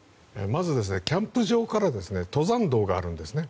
まずキャンプ場から登山道があるんですね。